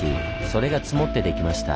それが積もってできました。